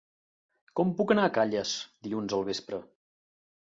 Com puc anar a Calles dilluns al vespre?